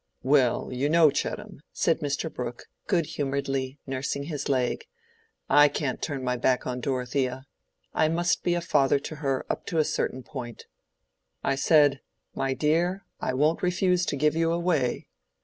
"Well, you know, Chettam," said Mr. Brooke, good humoredly, nursing his leg, "I can't turn my back on Dorothea. I must be a father to her up to a certain point. I said, 'My dear, I won't refuse to give you away.